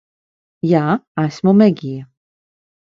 Jā. Esmu Megija.